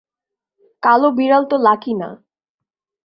কালো বিড়াল তো লাকি না।